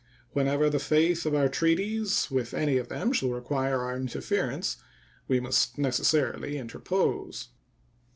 Whenever the faith of our treaties with any of them shall require our interference, we must necessarily interpose.